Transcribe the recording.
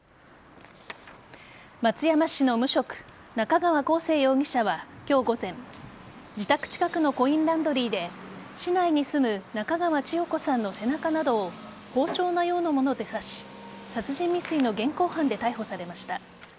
松山市の無職中川晃成容疑者は今日午前自宅近くのコインランドリーで市内に住む中川千代子さんの背中などを包丁のようなもので刺し殺人未遂の現行犯で逮捕されました。